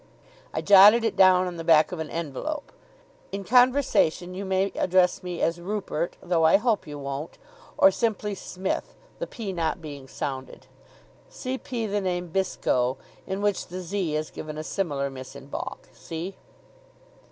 I jotted it down on the back of an envelope. In conversation you may address me as Rupert (though I hope you won't), or simply Smith, the P not being sounded. Cp. the name Zbysco, in which the Z is given a similar miss in baulk. See?"